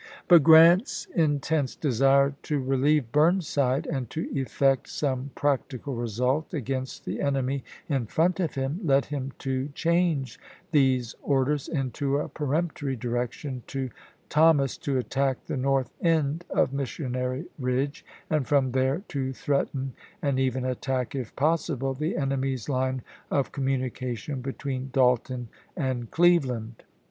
But Grant's intense desire to relieve Burn side, and to effect some practical result against the enemy in front of him, led him to change these Nov. 7, 1863. orders into a peremptory direction to Thomas to attack the north end of Missionary Ridge, and from there to threaten and even attack, if possible, the enemy's line of communication between Dalton and Cleveland.